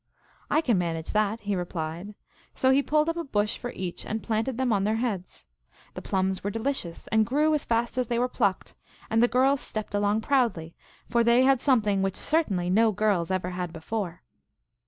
" I can manage that," he replied. So he pulled up a bush for each, and planted them on their heads. The plums were delicious, and grew as fast as they were plucked ; and the girls stepped along proudly, for they had something which certainly no girls ever had before.